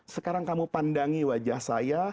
sekarang kamu pandangi wajah saya